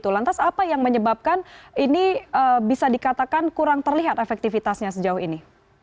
lantas apa yang menyebabkan ini bisa dikatakan kurang terlihat efektifitasnya sejauh ini